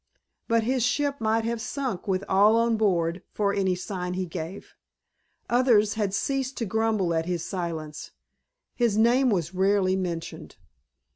But his ship might have sunk with all on board for any sign he gave. Others had ceased to grumble at his silence; his name was rarely mentioned.